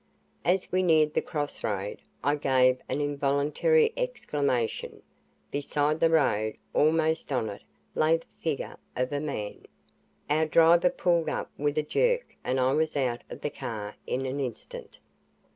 As we neared the crossroad, I gave an involuntary exclamation. Beside the road, almost on it, lay the figure of a man. Our driver pulled up with a jerk and I was out of the car in an instant.